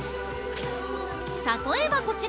◆例えばこちら。